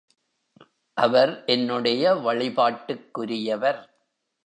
அவர் என்னுடைய வழிபாட்டுக்குரியவர்.